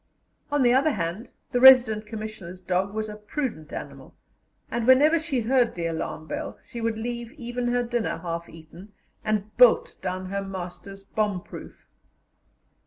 On the other hand, the Resident Commissioner's dog was a prudent animal, and whenever she heard the alarm bell, she would leave even her dinner half eaten, and bolt down her master's bomb proof.